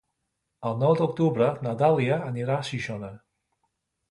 El nou d'octubre na Dàlia anirà a Xixona.